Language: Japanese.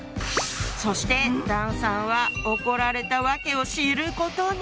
そして段さんは怒られた訳を知ることに！